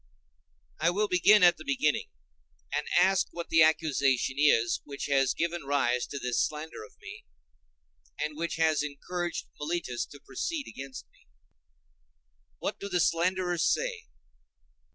I will begin at the beginning, and ask what the accusation is which has given rise to this slander of me, and which has encouraged Meletus to proceed against me. What do the slanderers say?